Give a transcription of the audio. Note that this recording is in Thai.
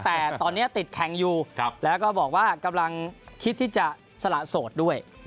แต่ตอนนี้ติดแข่งอยู่แล้วก็บอกว่ากำลังคิดที่จะสละโสดด้วย